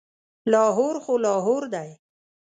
لاهور خو لاهور دی.